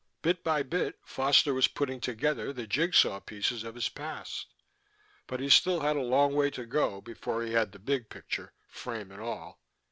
Bit by bit Foster was putting together the jig saw pieces of his past. But he still had a long way to go before he had the big picture, frame and all.